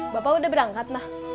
bapak udah berangkat mbah